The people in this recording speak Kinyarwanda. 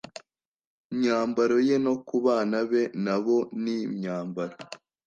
myambaro ye no ku bana be na bo n imyambaro